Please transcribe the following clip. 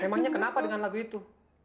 temanya kenapa dengan lagu itu